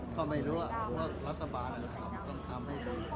เขาไม่รู้ว่ารัฐบาลต้องทำให้ดี